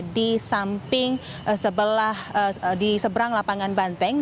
di samping sebelah di seberang lapangan banteng